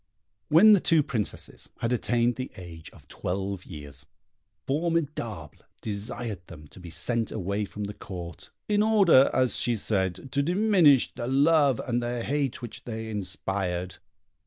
When the two Princesses had attained the age of twelve years, Formidable desired them to be sent away from the Court, in order, as she said, to diminish the love and the hate which they inspired.